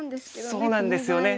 そうなんですよね。